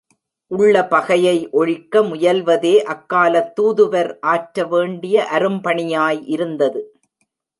உள்ள பகையை ஒழிக்க முயல்வதே அக்காலத் தூதுவர் ஆற்றவேண்டிய அரும் பணியாய் இருந்தது.